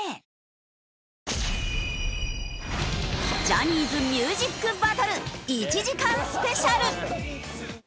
ジャニーズミュージックバトル１時間スペシャル！